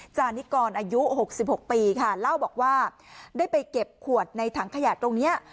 จานิกรอายุ๖๖ปีค่ะเล่าบอกว่าได้ไปเก็บขวดในถังขยะตรงนี้